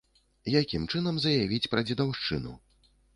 Якім чынам заявіць пра дзедаўшчыну?